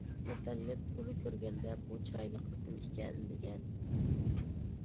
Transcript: مۇتەللىپ ئۇنى كۆرگەندە:« بۇ چىرايلىق ئىسىم ئىكەن» دېگەن.